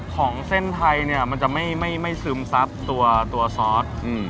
ของเส้นไทยเนี่ยมันจะไม่ซึมซับตัวซอส